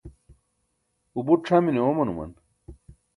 u buṭ c̣hamine omanuman